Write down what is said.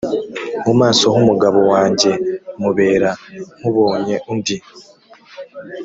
mu maso h umugabo wanjye mubera nk ubonye undi